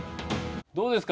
どうですか？